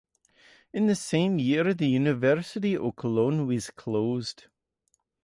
In the same year the University of Cologne was closed.